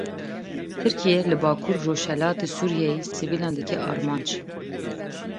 Tirkiye li Bakur Rojhilatê Sûriyeyê sivîlan dike armanc.